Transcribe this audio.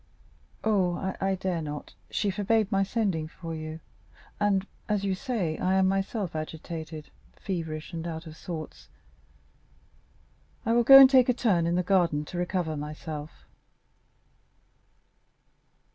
"Oh, I dare not—she forbade my sending for you; and, as you say, I am myself agitated, feverish and out of sorts. I will go and take a turn in the garden to recover myself."